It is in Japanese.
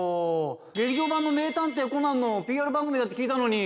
劇場版の『名探偵コナン』のＰＲ番組だって聞いたのに。